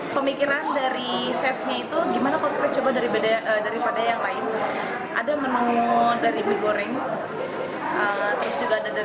pemikiran dari search nya itu gimana kecurahannya dari dpt yang lain ada menunggu dari rebus terbesar